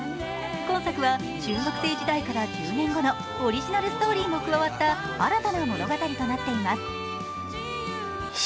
今作は中学生時代から１０年後のオリジナルストーリーも加わった新たな物語となっています。